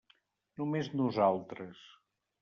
Només nosaltres.